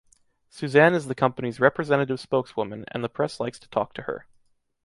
Susanne is the company’s representative spokeswoman and the press likes to talk to her.